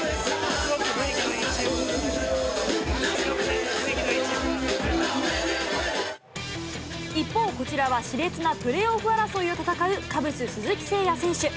強くて雰囲気のいいチームだと思一方、こちらは、しれつなプレーオフ争いを戦うカブス、鈴木誠也選手。